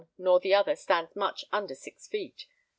nor the other stands much under six feet.